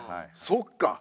そっか！